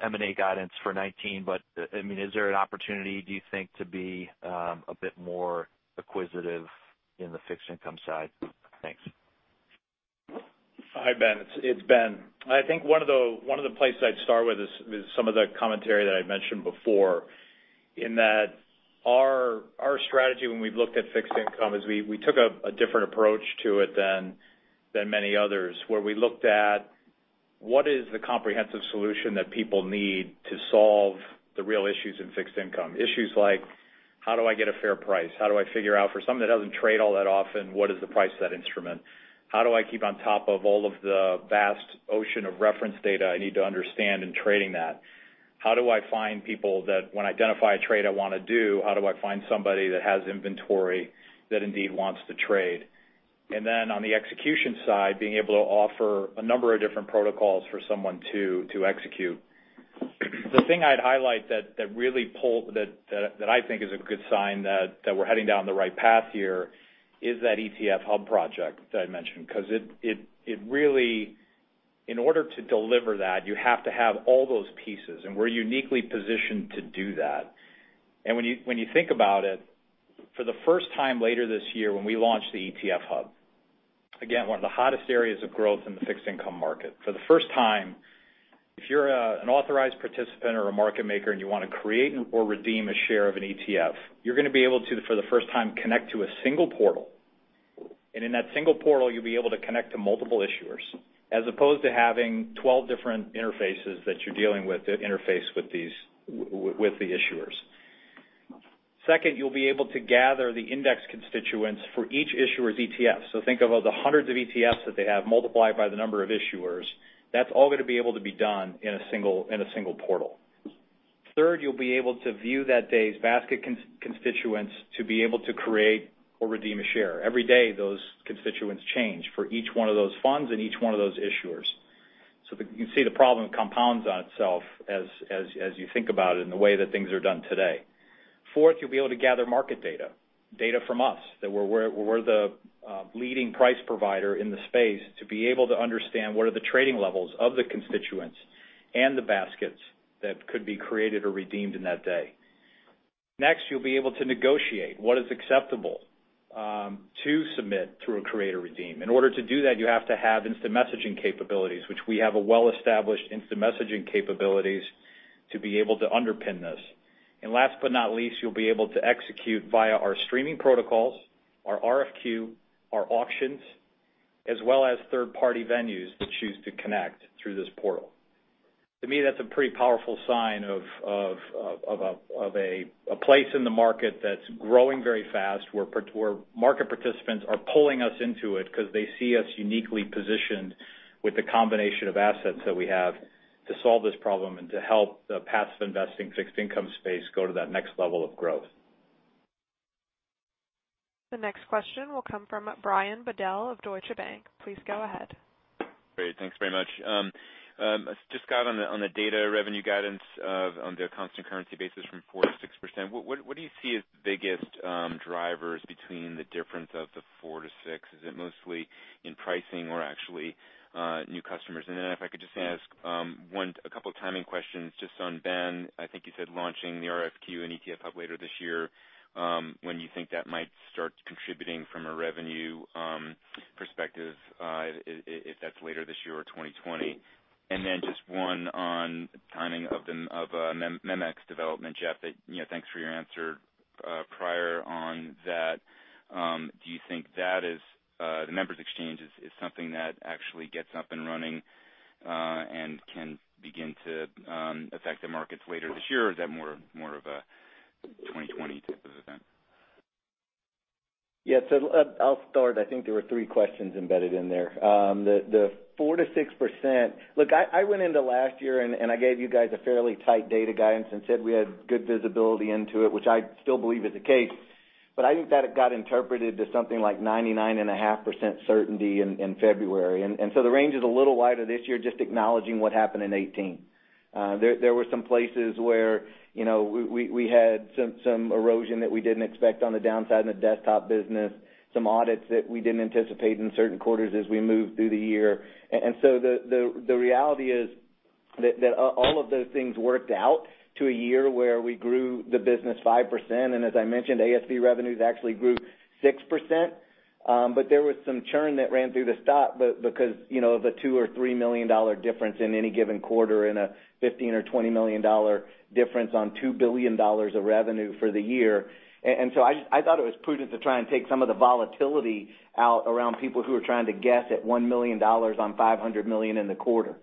M&A guidance for 2019, but is there an opportunity, do you think, to be a bit more acquisitive in the fixed income side? Thanks. Hi, Ben. It's Ben. I think one of the places I'd start with is some of the commentary that I mentioned before, in that our strategy when we've looked at fixed income is we took a different approach to it than many others, where we looked at what is the comprehensive solution that people need to solve the real issues in fixed income. Issues like, how do I get a fair price? How do I figure out for something that doesn't trade all that often, what is the price of that instrument? How do I keep on top of all of the vast ocean of reference data I need to understand in trading that? How do I find people that when I identify a trade I want to do, how do I find somebody that has inventory that indeed wants to trade? On the execution side, being able to offer a number of different protocols for someone to execute. The thing I'd highlight that I think is a good sign that we're heading down the right path here is that ETF Hub project that I mentioned. In order to deliver that, you have to have all those pieces, and we're uniquely positioned to do that. When you think about it, for the first time later this year when we launch the ETF Hub, again, one of the hottest areas of growth in the fixed income market. For the first time, if you're an authorized participant or a market maker and you want to create or redeem a share of an ETF, you're going to be able to, for the first time, connect to a single portal. In that single portal, you'll be able to connect to multiple issuers, as opposed to having 12 different interfaces that you're dealing with that interface with the issuers. Second, you'll be able to gather the index constituents for each issuer's ETF. Think of the hundreds of ETFs that they have multiplied by the number of issuers. That's all going to be able to be done in a single portal. Third, you'll be able to view that day's basket constituents to be able to create or redeem a share. Every day, those constituents change for each one of those funds and each one of those issuers. You can see the problem compounds on itself as you think about it and the way that things are done today. Fourth, you'll be able to gather market data. Data from us. That we're the leading price provider in the space to be able to understand what are the trading levels of the constituents and the baskets that could be created or redeemed in that day. Next, you'll be able to negotiate what is acceptable to submit through a create or redeem. In order to do that, you have to have instant messaging capabilities, which we have a well-established instant messaging capabilities to be able to underpin this. Last but not least, you'll be able to execute via our streaming protocols, our RFQ, our auctions, as well as third-party venues that choose to connect through this portal. To me, that's a pretty powerful sign of a place in the market that's growing very fast, where market participants are pulling us into it because they see us uniquely positioned with the combination of assets that we have to solve this problem and to help the passive investing fixed income space go to that next level of growth. The next question will come from Brian Bedell of Deutsche Bank. Please go ahead. Great. Thanks very much. Scott, on the data revenue guidance on the constant currency basis from 4%-6%. What do you see as the biggest drivers between the difference of the 4-6? Is it mostly in pricing or actually new customers? If I could ask a couple timing questions on, Ben, I think you said launching the RFQ and ETF Hub later this year. When you think that might start contributing from a revenue perspective, if that's later this year or 2020. One on timing of MEMX development, Jeff. Thanks for your answer prior on that. Do you think the Members Exchange is something that actually gets up and running and can begin to affect the markets later this year, or is that more of a 2020 type of event? I'll start. I think there were three questions embedded in there. The 4%-6%. I went into last year, I gave you guys a fairly tight data guidance and said we had good visibility into it, which I still believe is the case. I think that it got interpreted to something like 99.5% certainty in February. The range is a little wider this year, just acknowledging what happened in 2018. There were some places where we had some erosion that we didn't expect on the downside in the desktop business, some audits that we didn't anticipate in certain quarters as we moved through the year. The reality is that all of those things worked out to a year where we grew the business 5%, and as I mentioned, ASV revenues actually grew 6%. There was some churn that ran through the stop because of a $2 million or $3 million difference in any given quarter in a $15 million or $20 million difference on $2 billion of revenue for the year. I thought it was prudent to try and take some of the volatility out around people who are trying to guess at $1 million on $500 million in the quarter.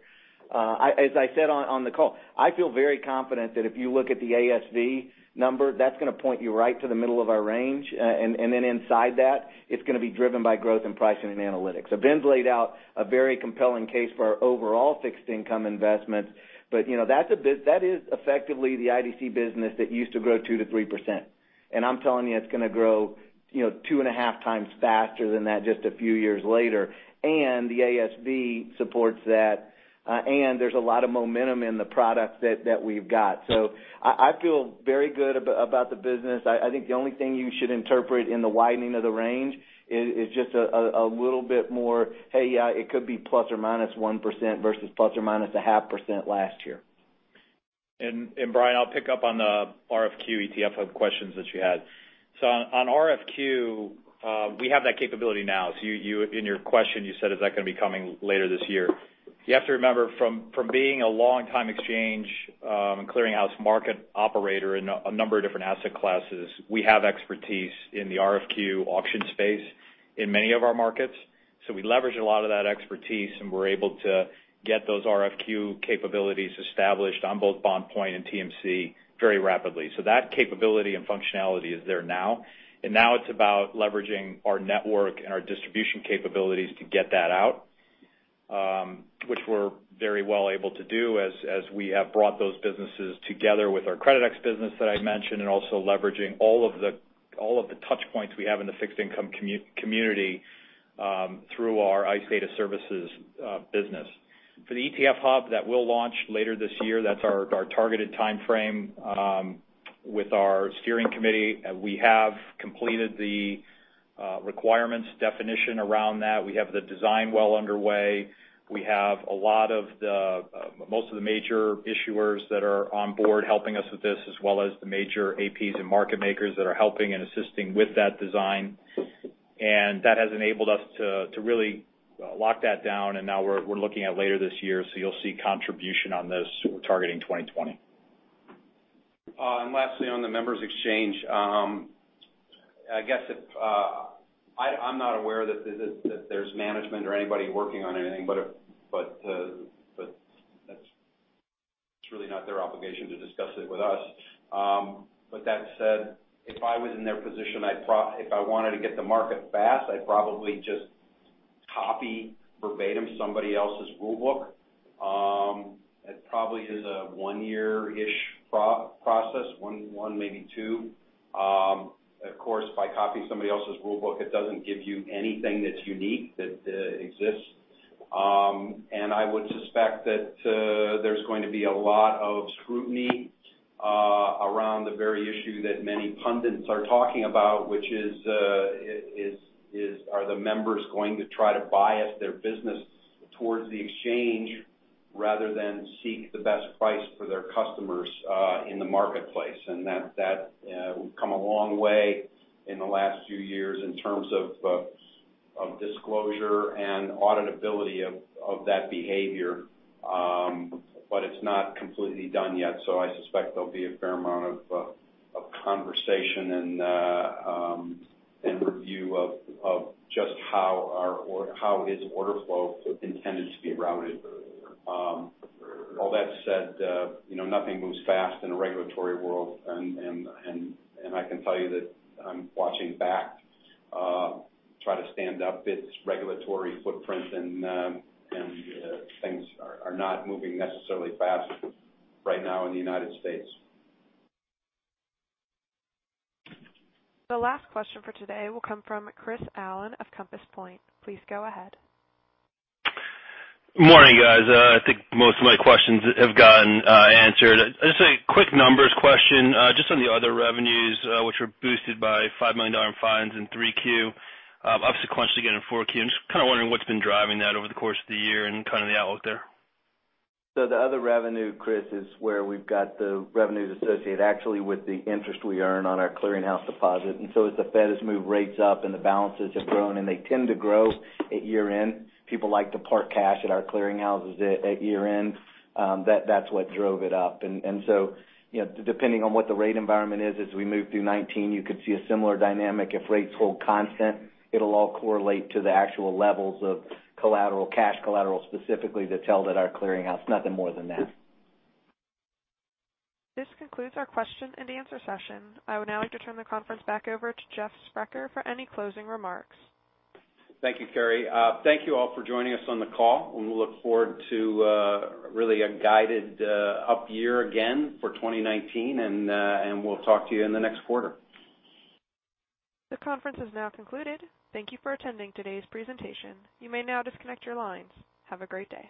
As I said on the call, I feel very confident that if you look at the ASV number, that's going to point you right to the middle of our range, and then inside that, it's going to be driven by growth in pricing and analytics. Ben's laid out a very compelling case for our overall fixed income investments, that is effectively the IDC business that used to grow 2%-3%. I'm telling you, it's going to grow two and a half times faster than that just a few years later. The ASV supports that, and there's a lot of momentum in the products that we've got. I feel very good about the business. I think the only thing you should interpret in the widening of the range is just a little bit more, "Hey, it could be ±1% versus ±0.5% last year. Brian, I'll pick up on the RFQ, ETF Hub questions that you had. On RFQ, we have that capability now. In your question, you said, "Is that going to be coming later this year?" You have to remember, from being a long-time exchange and clearinghouse market operator in a number of different asset classes, we have expertise in the RFQ auction space in many of our markets. We leverage a lot of that expertise, and we're able to get those RFQ capabilities established on both BondPoint and TMC very rapidly. That capability and functionality is there now. Now it's about leveraging our network and our distribution capabilities to get that out, which we're very well able to do as we have brought those businesses together with our Creditex business that I mentioned, also leveraging all of the touch points we have in the fixed income community through our ICE Data Services business. For the ETF Hub that we'll launch later this year, that's our targeted timeframe with our steering committee. We have completed the requirements definition around that. We have the design well underway. We have most of the major issuers that are on board helping us with this, as well as the major APs and market makers that are helping and assisting with that design. That has enabled us to really lock that down, and now we're looking at later this year, so you'll see contribution on those targeting 2020. Lastly, on the Members Exchange, I'm not aware that there's management or anybody working on anything, it's really not their obligation to discuss it with us. That said, if I was in their position, if I wanted to get the market fast, I'd probably just copy verbatim somebody else's rule book. It probably is a one-year-ish process, one, maybe two. Of course, by copying somebody else's rule book, it doesn't give you anything that's unique that exists. I would suspect that there's going to be a lot of scrutiny around the very issue that many pundits are talking about, which is, are the members going to try to bias their business towards the exchange rather than seek the best price for their customers in the marketplace? That we've come a long way in the last few years in terms of disclosure and auditability of that behavior, it's not completely done yet. I suspect there'll be a fair amount of conversation and review of just how his order flow is intended to be routed. All that said, nothing moves fast in a regulatory world, I can tell you that I'm watching [back] try to stand up its regulatory footprint, and things are not moving necessarily fast right now in the U.S. The last question for today will come from Chris Allen of Compass Point. Please go ahead. Morning, guys. I think most of my questions have gotten answered. Just a quick numbers question, just on the other revenues, which were boosted by $5 million fines in Q3, up sequentially again in Q4. I'm just kind of wondering what's been driving that over the course of the year and kind of the outlook there. The other revenue, Chris, is where we've got the revenues associated actually with the interest we earn on our clearinghouse deposit. As the Fed has moved rates up and the balances have grown, they tend to grow at year-end. People like to park cash at our clearinghouses at year-end. That's what drove it up. Depending on what the rate environment is as we move through 2019, you could see a similar dynamic. If rates hold constant, it'll all correlate to the actual levels of collateral, cash collateral specifically, that's held at our clearinghouse. Nothing more than that. This concludes our question and answer session. I would now like to turn the conference back over to Jeff Sprecher for any closing remarks. Thank you, Carrie. Thank you all for joining us on the call. We look forward to really a guided up year again for 2019. We'll talk to you in the next quarter. The conference is now concluded. Thank you for attending today's presentation. You may now disconnect your lines. Have a great day.